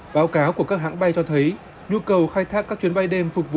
báo cáo của các hãng bay cho thấy nhu cầu khai thác các chuyến bay đêm phục vụ